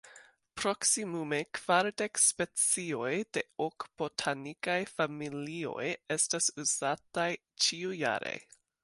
Proksimume kvardek specioj de ok botanikaj familioj estas uzataj ĉiujare.